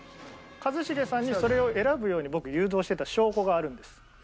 一茂さんにはそれを選ぶように僕誘導してた証拠があるんです。